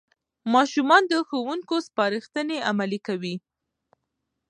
ماشومان د ښوونکو سپارښتنې عملي کوي